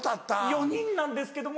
４人なんですけども。